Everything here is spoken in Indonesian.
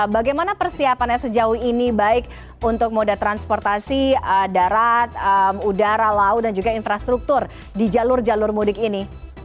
bagaimana persiapannya sejauh ini baik untuk moda transportasi darat udara laut dan juga infrastruktur di jalur jalur mudik ini